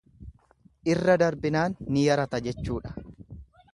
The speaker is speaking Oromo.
Irra darbinaan ni yarata jechuudha.